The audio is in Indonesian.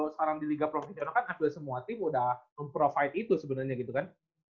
sekarang di liga profesional kan hampir semua tim udah memprovide itu sebenarnya gitu kan